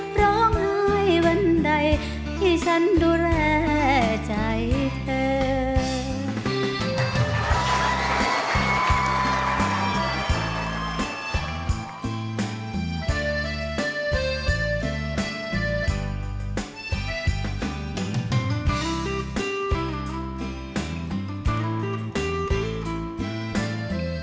เพราะไงวันใดให้ฉันดูแลใจเธอ